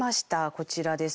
こちらです。